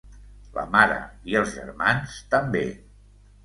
La mare i els germans, també.